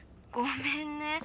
ごめんね。